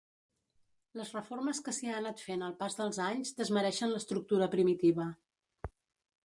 Les reformes que s'hi ha anat fent al pas dels anys desmereixen l'estructura primitiva.